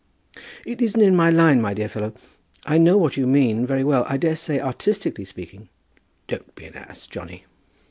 "It isn't in my line, my dear fellow. I know what you mean, very well. I daresay, artistically speaking, " "Don't be an ass, Johnny."